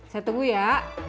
saya tunggu ya